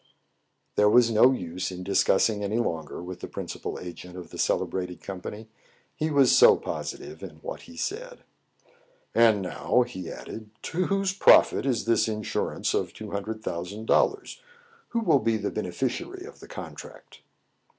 '* There was no use in discussing any longer with the principal agent of the celebrated company, he was so positive in what he said. "And now," he added, "to whose profit is this insurance of two hundred thousand dollars ? Who will be the beneficiary of the contract